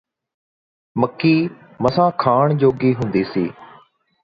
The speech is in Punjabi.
ਮੱਕੀ ਮਸਾਂ ਖਾਣ ਜੋਗੀ ਹੁੰਦੀ ਸੀ